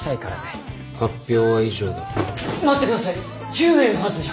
１０名のはずじゃ。